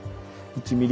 １ｍｍ？